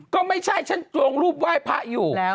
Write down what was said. ก็ไม่ใช่ฉันลงรูปไหว้พระอยู่แล้ว